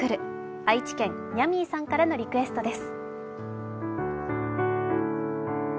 愛知県、にゃみーさんからのリクエストです。